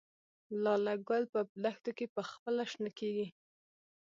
لاله ګل په دښتو کې پخپله شنه کیږي؟